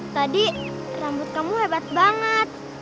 tadi rambut kamu hebat banget